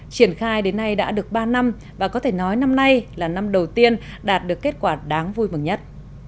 triển khai đến nay đã được ba năm và có thể nói năm nay là năm đầu tiên đạt được kết quả đáng vui mừng nhất